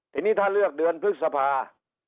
ทีนี้ถ้าเลือกเดือนพฤษภา